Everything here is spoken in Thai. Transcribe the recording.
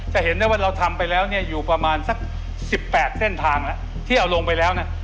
จะเห็นได้ว่าเราทำไปแล้วเนี่ยอยู่ประมาณสัก๑๘เส้นทางแล้วที่เอาลงไปแล้วนะ